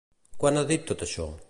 Quan ha dit tot això?